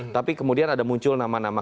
tapi kemudian ada muncul nama nama